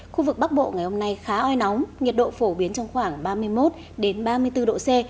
khu vực bắc bộ ngày hôm nay khá oi nóng nhiệt độ phổ biến trong khoảng ba mươi một ba mươi bốn độ c